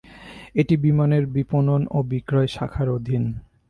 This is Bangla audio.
এটি বিমানের বিপণন ও বিক্রয় শাখার অধীন।